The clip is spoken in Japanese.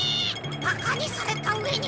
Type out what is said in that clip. バカにされたうえに。